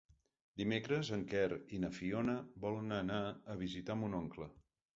Dimecres en Quer i na Fiona volen anar a visitar mon oncle.